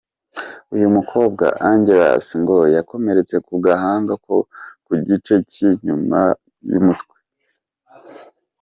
Uyu mukobwa Angels ngo yakomeretse ku gahanga no ku gice cy’ inyuma cy’ umutwe.